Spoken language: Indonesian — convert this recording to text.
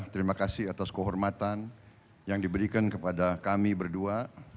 terima kasih atas kehormatan yang diberikan kepada kami berdua